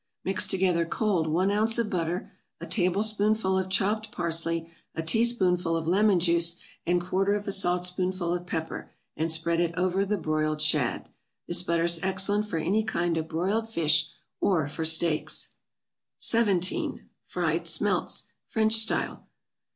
= Mix together cold, one ounce of butter, a tablespoonful of chopped parsley, a teaspoonful of lemon juice, and quarter of a saltspoonful of pepper; and spread it over the broiled shad. This butter is excellent for any kind of broiled fish, or for steaks. 17. =Fried Smelts, French Style.